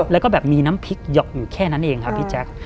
แล้วก็แบบมีน้ำพริกหยอกอยู่แค่นั้นเองครับพี่แจ๊ค